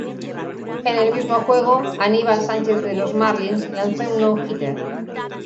En el mismo juego, Aníbal Sánchez de los Marlins lanzó un "no-hitter".